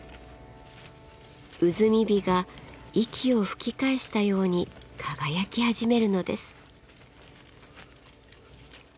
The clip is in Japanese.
埋火が息を吹き返したように輝き始めるのです。